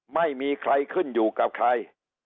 ไม่มีใครขึ้นอยู่กับใคร